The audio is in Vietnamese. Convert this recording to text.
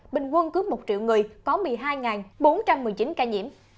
bình quân cứ một triệu người có một mươi hai bốn trăm một mươi chín ca nhiễm